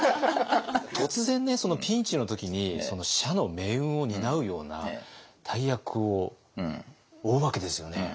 突然ピンチの時に社の命運を担うような大役を負うわけですよね。